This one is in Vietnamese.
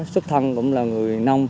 xuất thân cũng là người nông